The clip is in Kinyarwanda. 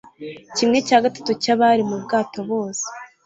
kimwe cyagatatu cy'abari mu bwato bose